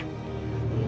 sudah susah bagi aku